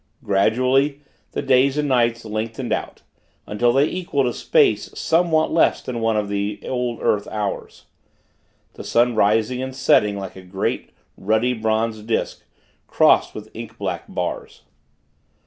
Gradually, the days and nights lengthened out, until they equaled a space somewhat less than one of the old earth hours; the sun rising and setting like a great, ruddy bronze disk, crossed with ink black bars.